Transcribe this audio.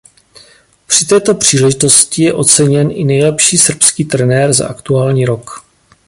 Při té příležitosti je oceněn i nejlepší srbský trenér za aktuální rok.